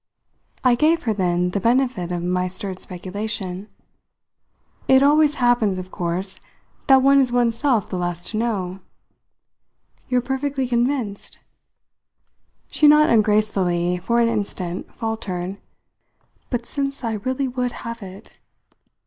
I gave her then the benefit of my stirred speculation. "It always happens, of course, that one is one's self the last to know. You're perfectly convinced?" She not ungracefully, for an instant, faltered; but since I really would have it